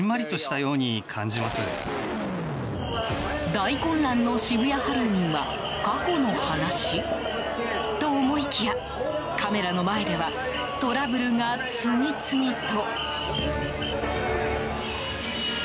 大混乱の渋谷ハロウィーンは過去の話？と思いきや、カメラの前ではトラブルが次々と。